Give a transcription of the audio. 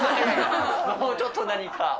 もうちょっと何か。